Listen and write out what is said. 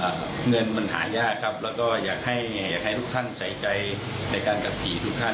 ก็คือเงินหมายยากและให้ทุกท่านใส่ใจในการกำหนี่ทุกท่าน